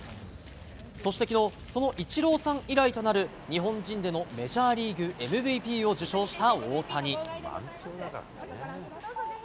そして、昨日そのイチローさん以来となる日本人でのメジャーリーグＭＶＰを受賞した大谷。